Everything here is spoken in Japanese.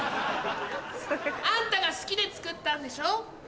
あんたが好きで作ったんでしょ？